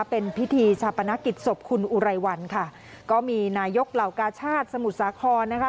เป็นพิธีชาปนกิจศพคุณอุไรวันค่ะก็มีนายกเหล่ากาชาติสมุทรสาครนะคะ